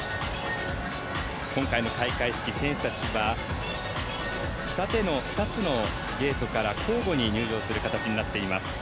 今回の開会式、選手たちは２つのゲートから交互に入場する形になっています。